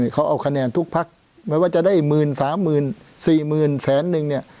เขาเอาคะแนนทุกพักไม่ว่าจะได้หมื่นสามหมื่นสี่หมื่นแสนหนึ่งเนี่ย